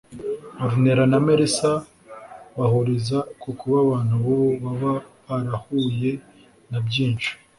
Ornella na Melissa bahuriza ku kuba abantu b’ubu baba barahuye na byinshi